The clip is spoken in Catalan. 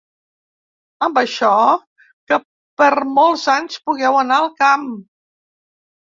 Amb això, que per molts anys pugueu anar al camp